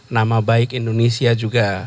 nama baik indonesia juga